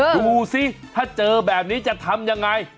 ดูสิถ้าเจอแบบนี้จะทำยังไง